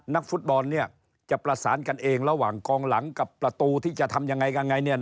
นักฟุตบอลจะประสานกันเองระหว่างกองหลังกับประตูที่จะทำยังไงกันไง